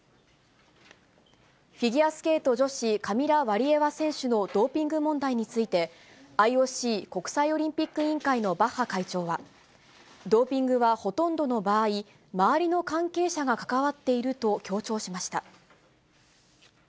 フィギュアスケート女子、カミラ・ワリエワ選手のドーピング問題について、ＩＯＣ・国際オリンピック委員会のバッハ会長は、ドーピングはほとんどの場合、周りの関係者が関わっていると強調しました。